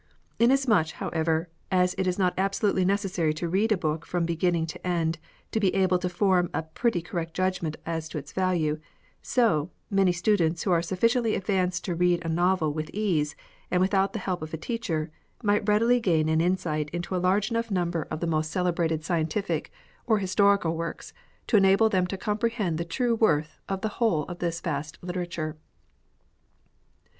Inasmuch, how ever, as it is not absolutely necessary to read a book from beginning to end to be able to form a pretty correct judgment as to its value, so, many students who are sufficiently advanced to read a novel with ease and without the help of a teacher, might readily gain an insight into a large enough number of the 24 LITERATURE. most celebrated scientific or historical works to enable them to comprehend the true worth of the whole of this vast literature.